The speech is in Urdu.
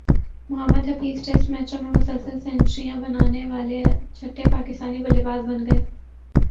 محمدحفیظ ٹیسٹ میچوں میں مسلسل سنچریاںبنانیوالے چھٹے پاکستانی بلے باز بن گئے